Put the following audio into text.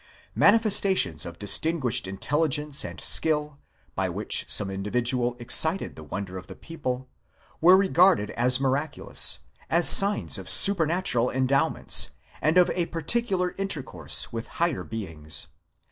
Manifestations of distinguished intelligence and skill, by which some individual excited the wonder of the people, were regarded as miraculous; as signs of supernatural endowments, and of a particular inter course with higher beings.